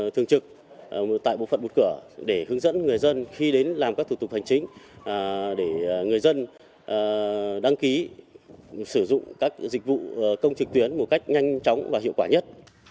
thường trực tại bộ phận bụt cửa để hướng dẫn người dân khi đến làm các thủ tục hành chính để người dân đăng ký sử dụng các dịch vụ công trực tuyến một cách nhanh chóng và hiệu quả nhất